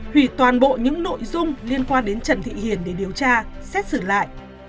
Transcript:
hủy toàn bộ những nội dung liên quan đến trần thị hiền để điều tra xét xử lại